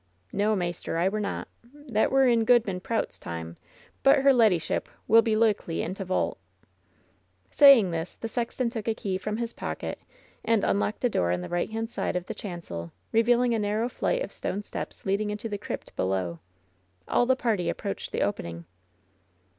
"Noa, maister, I were not. That were in Goodman Proufs time. But her leddyship will be loikely i* t* vault. Saying this, the sexton took a key from his pocket and unlocked a door on the right hand side of the chan cel, revealing a narrow flight of stone steps leading into the crypt below. All the party approached the opening.